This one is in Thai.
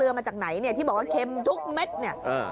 อย่างซ้วยอุ่น๑๒๓